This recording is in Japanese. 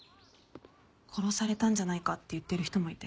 殺されたんじゃないかって言ってる人もいて。